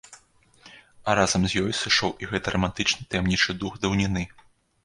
А разам з ёй сышоў і гэты рамантычны таямнічы дух даўніны.